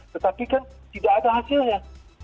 tetapi kan tidak ada hasilnya